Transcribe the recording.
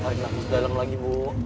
tarik nafas dalem lagi bu